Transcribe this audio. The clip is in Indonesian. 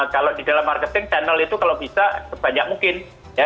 kalau di dalam marketing channel itu kalau bisa sebanyak mungkin